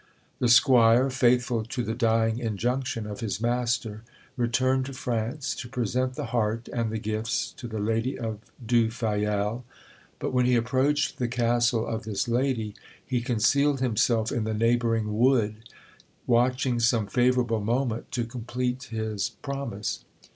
The squire, faithful to the dying injunction of his master, returned to France, to present the heart and the gifts to the lady of Du Fayel. But when he approached the castle of this lady, he concealed himself in the neighbouring wood, watching some favourable moment to complete his promise.